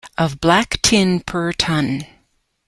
of black tin per ton.